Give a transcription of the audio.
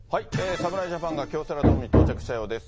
侍ジャパンが京セラドームに到着したようです。